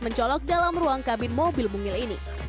mencolok dalam ruang kabin mobil mungil ini